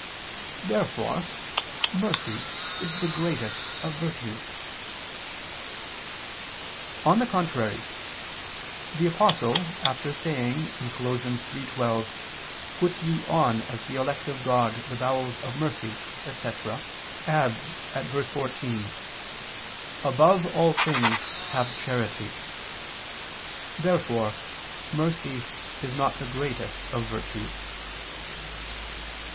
Therefore mercy is the greatest of virtues. On the contrary, The Apostle after saying (Col. 3:12): "Put ye on ... as the elect of God ... the bowels of mercy," etc., adds (Col. 3:14): "Above all things have charity." Therefore mercy is not the greatest of virtues.